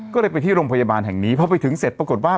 ก็เลยไปที่โรงพยาบาลแห่งนี้พอไปถึงเสร็จปรากฏว่า